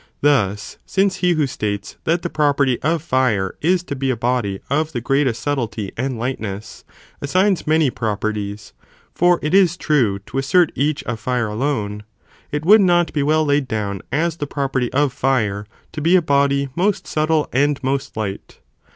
Thus, since he who states that the property of fire is to be a body of the greatest subtlety and lightness, assigns many properties, (for it is true) to assert each of fire alone, it would not be well laid down as the property of fire to be a body, most subtle and most light.